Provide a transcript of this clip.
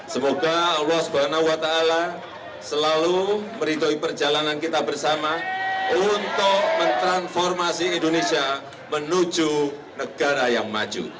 semoga allah swt selalu meridoi perjalanan kita bersama untuk mentransformasi indonesia menuju negara yang maju